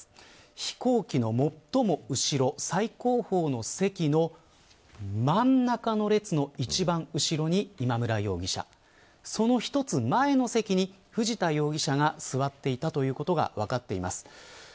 飛行機の最も後、最後方の席の真ん中の列の一番後ろに、今村容疑者その１つ前の席に藤田容疑者が座っていたということが分かっています。